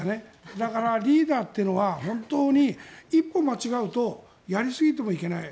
だから、リーダーというのは本当に一歩間違うとやりすぎてもいけない